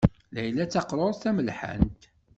Layla d taqṛuṛt tamelḥant.